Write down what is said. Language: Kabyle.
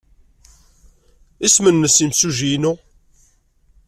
Isem-nnes yimsujji-inu?